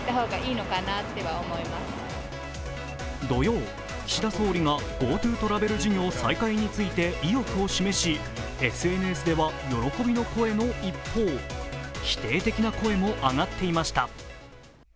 土曜、岸田総理がＧｏＴｏトラベル事業再開について意欲を示し、ＳＮＳでは喜びの声の一方、否定的な声も上がっていました。